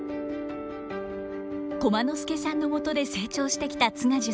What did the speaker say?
駒之助さんのもとで成長してきた津賀寿さん。